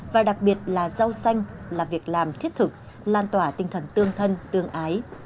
và đặc biệt là rau xanh là việc làm thiết thực lan tỏa tinh thần tương thân tương ái